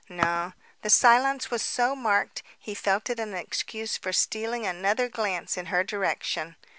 No. The silence was so marked, he felt it an excuse for stealing another glance in her direction.